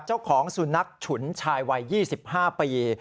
เจ้าของสุนัขฉุนชายวัย๒๕ปี